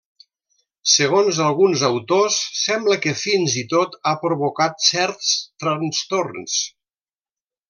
Segons alguns autors, sembla que, fins i tot, ha provocat certs trastorns.